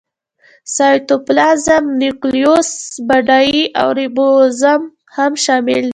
سایټوپلازم، نیوکلیوس باډي او رایبوزوم هم شامل دي.